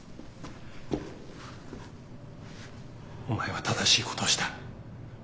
お前は正しいことをした。